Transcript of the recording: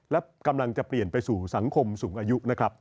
และกำลังจะเปลี่ยนไปสู่สังคมสูงอายุนะครับ